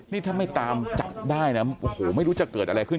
นี่ถ้าไม่ตามจับได้นะโอ้โหไม่รู้จะเกิดอะไรขึ้น